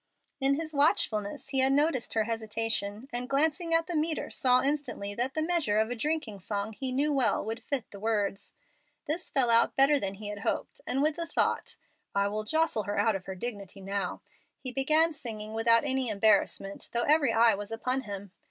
In his watchfulness he had noted her hesitation, and glancing at the metre saw instantly that the measure of a drinking song he knew well would fit the words. This fell out better than he had hoped, and with the thought, "I will jostle her out of her dignity now," he began singing without any embarrassment, though every eye was upon him.